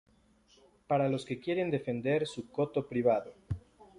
para los que quieren defender su coto privado